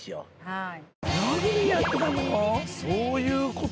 はい。